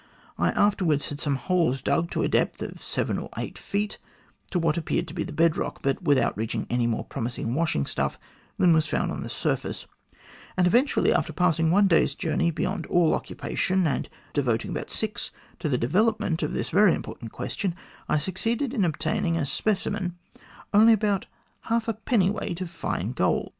I afterwards had some holes dug to a depth of seven or eight feet to what appeared to be the bed rock, but without reaching any more promising washing stuff than was found on the surface, and eventually after passing one day's journey beyond all occupation, and devoting about six to the development of this very important question, I succeeded in obtaining as a specimen only about half a dwt. of fine gold.